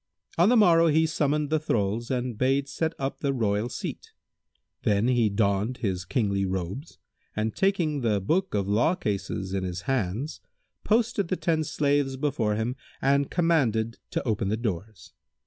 On the morrow he summoned the thralls and bade set up the royal seat; then he donned his kingly robes and taking the Book of law cases[FN#163] in his hands, posted the ten slaves before him and commanded to open the doors.